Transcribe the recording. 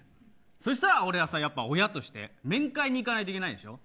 そしたら俺は親として面会に行かないといけないでしょ。